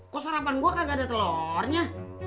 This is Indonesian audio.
kok sarapan gue kagak ada telurnya